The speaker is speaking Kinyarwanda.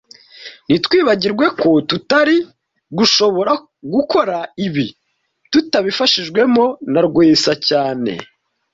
Ntitwibagirwe ko tutari gushobora gukora ibi tutabifashijwemo na Rwesa cyane